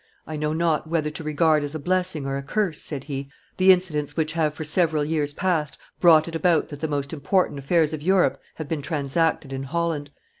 "I know not whether to regard as a blessing or a curse," said he, "the incidents which have for several years past brought it about that the most important affairs of Europe have been transacted in Holland.